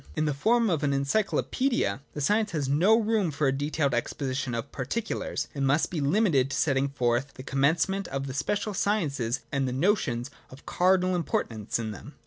16. J In the form of an Encyclopaedia, the science has no room for a detailed exposition of particulars, and must be limited to setting forth the commencement of the special sciences and the notions of cardinal im portance in them.